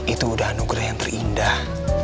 itu udah anugerah yang terindah